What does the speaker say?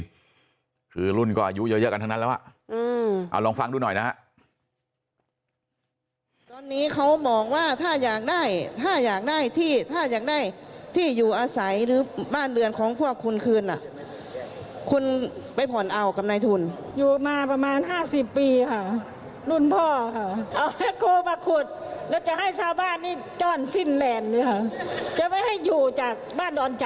คือรุ่นก็อายุเยอะกันเท่านั้นแล้วลองฟังดูหน่อยนะครับ